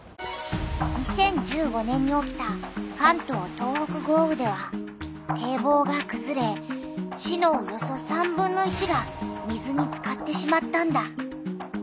２０１５年に起きた関東・東北豪雨では堤防がくずれ市のおよそ３分の１が水につかってしまったんだ。